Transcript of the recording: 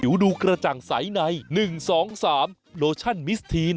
ใจดุขระจังใสใน๑๒๓ล็อชั่นมิสธีน